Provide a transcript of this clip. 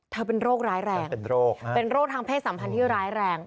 เธอเป็นโรคร้ายแรงเป็นโรคทางเพศสัมพันธ์ที่ร้ายแรง